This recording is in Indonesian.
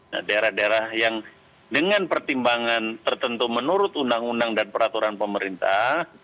nah daerah daerah yang dengan pertimbangan tertentu menurut undang undang dan peraturan pemerintah